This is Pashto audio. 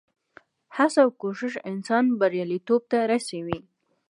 هڅه او کوښښ انسان بریالیتوب ته رسوي.